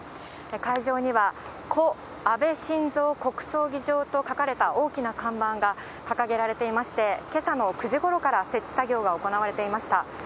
会場には、故・安倍晋三国葬儀場と書かれた大きな看板が掲げられていまして、けさの９時ごろから設置作業が行われていました。